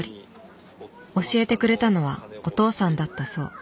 教えてくれたのはお父さんだったそう。